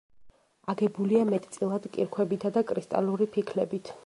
აგებულია მეტწილად კირქვებითა და კრისტალური ფიქლებით.